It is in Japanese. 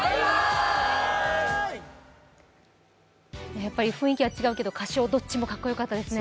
やっぱり雰囲気は違うけど歌唱、どっちもすばらしかったですね。